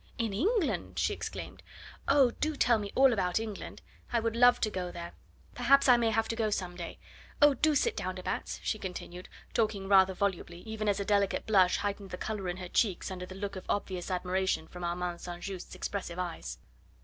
"In England?" she exclaimed. "Oh! do tell me all about England. I would love to go there. Perhaps I may have to go some day. Oh! do sit down, de Batz," she continued, talking rather volubly, even as a delicate blush heightened the colour in her cheeks under the look of obvious admiration from Armand St. Just's expressive eyes.